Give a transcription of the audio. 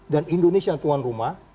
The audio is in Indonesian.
dan indonesia tuan rumah